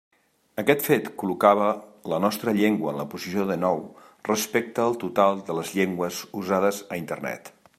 Aquest fet col·locava la nostra llengua en la posició denou respecte al total de les llengües usades a Internet.